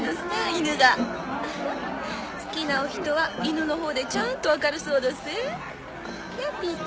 犬が好きなお人は犬のほうでちゃんと分かるそうどすえ